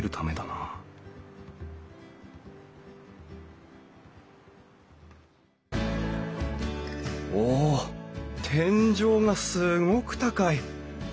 なおお天井がすごく高い。